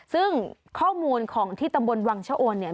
ซึ่งข้อมูลของที่ตำบลวังชะโอนเนี่ย